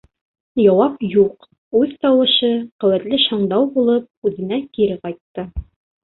Яуап юҡ, үҙ тауышы, ҡеүәтле шаңдау булып, үҙенә кире ҡайтты.